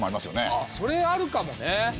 あっそれあるかもね。